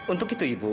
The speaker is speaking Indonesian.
untuk itu ibu